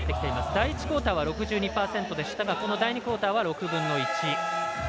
第１クオーターは６２％でしたがこの第２クオーターは６分の１。